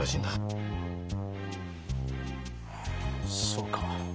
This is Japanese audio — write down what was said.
そうか。